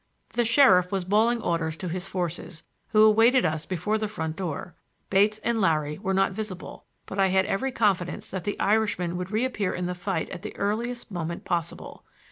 The sheriff was bawling orders to his forces, who awaited us before the front door. Bates and Larry were not visible, but I had every confidence that the Irishman would reappear in the fight at the earliest moment possible.